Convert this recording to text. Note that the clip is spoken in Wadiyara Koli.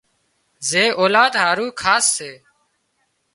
زي اولاد هارُو خاص سي